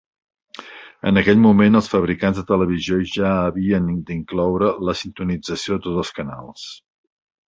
En aquell moment, els fabricants de televisió ja havien d'incloure la sintonització de tots els canals.